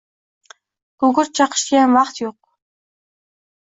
Gugurt chaqishgayam vaqt yo‘q.